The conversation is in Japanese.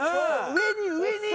上に上に！